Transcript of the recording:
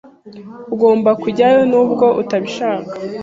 Ugomba kujyayo, nubwo utabishaka.